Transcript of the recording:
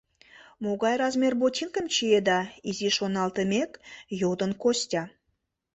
— Могай размер ботинкым чиеда? — изиш шоналтымек, йодын Костя.